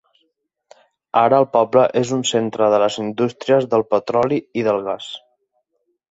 Ara el poble és un centre de les indústries del petroli i del gas.